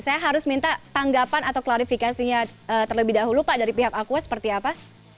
saya harus minta tanggapan atau klarifikasinya terlebih dahulu pak dari pihak aqua seperti apa